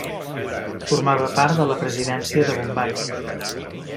Formava part de la presidència de Bombai.